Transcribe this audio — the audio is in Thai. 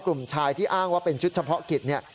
กลุ่มชายที่อ้างว่าเป็นชุดเฉพาะกิจเนี่ย